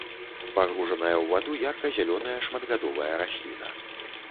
Пагружаная ў ваду ярка-зялёная шматгадовая расліна.